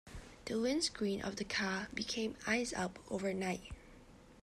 The windscreen of the car became iced up overnight.